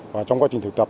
và trong quá trình thực tập